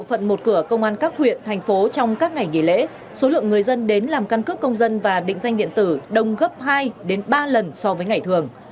phận một cửa công an các huyện thành phố trong các ngày nghỉ lễ số lượng người dân đến làm căn cước công dân và định danh điện tử đông gấp hai đến ba lần so với ngày thường